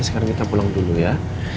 sekarang kita pulang dulu ya